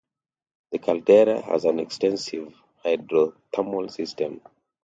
The caldera has an extensive hydrothermal system.